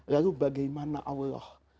lalu bagaimana allah